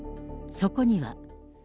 そこには。